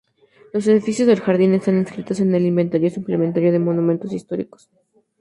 Los edificios del jardín están inscritos en el inventario suplementario de monumentos históricos.